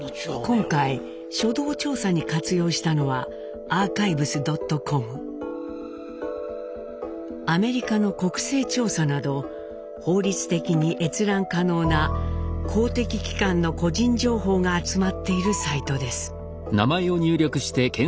今回初動調査に活用したのはアメリカの国勢調査など法律的に閲覧可能な公的機関の個人情報が集まっているサイトです。